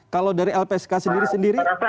kalau dari lpsk sendiri sendiri